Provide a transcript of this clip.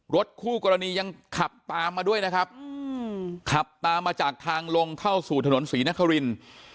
รถคู่กรณียังขับตามมาด้วยนะครับขับตามมาจากทางลงเข้าสู่ถนนศรีนคริน